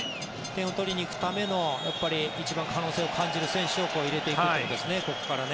点を取りに行くための一番可能性を感じる選手を入れていくということですね。